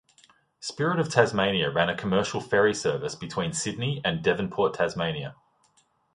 Spirit of Tasmania ran a commercial ferry service between Sydney and Devonport, Tasmania.